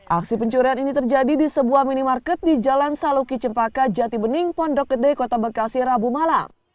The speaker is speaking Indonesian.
aksi pencurian ini terjadi di sebuah minimarket di jalan saluki cempaka jati bening pondok gede kota bekasi rabu malam